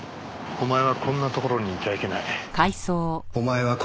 お前はこんなとこにいちゃいけない。